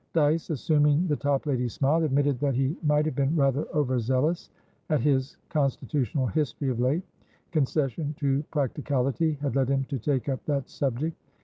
Dyce, assuming the Toplady smile, admitted that he might have been rather over zealous at his constitutional history of late; concession to practicality had led him to take up that subject.